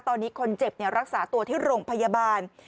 ตอนนี้คนเจ็บรักษาตัวที่โรงพยาบาล